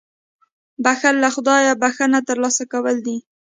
• بښل له خدایه بښنه ترلاسه کول دي.